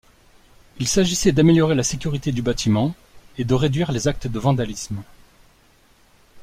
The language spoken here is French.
Il s'agissait d'améliorer la sécurité du bâtiment et de réduire les actes de vandalisme.